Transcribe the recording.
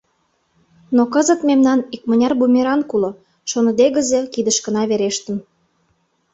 Но кызыт мемнан икмыняр бумеранг уло, шоныдегызе кидышкына верештын...